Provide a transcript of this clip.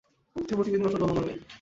অর্থের প্রতি বিন্দুমাত্র লোভ আমার নেই!